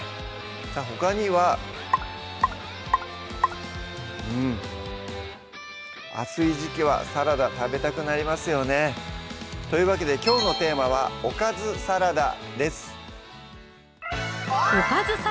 さぁほかにはうん暑い時期はサラダ食べたくなりますよねというわけできょうのテーマは「おかずサラダ」です